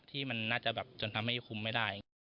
ที่มันน่าจะแบบจนทำให้คุ้มไม่ได้